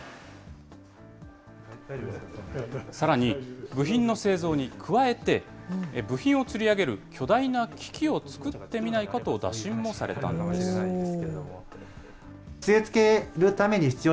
さらに、部品の製造に加えて、部品をつり上げる巨大な機器を作ってみないかと打診もされたんです。